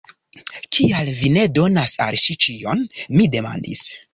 Kial vi ne donas al ŝi ĉion? mi demandis.